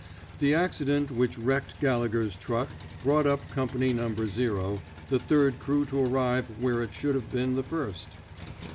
The ac cident which wrecked Gallegher's truck brought up Company No. 0, the third crew to arrive where it should have been the first.